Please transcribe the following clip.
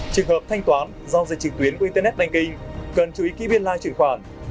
trường hợp thanh toán do dịch trực tuyến của internet banh kinh cần chú ý kỹ biên lai truyền khoản